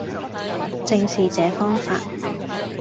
正是這方法。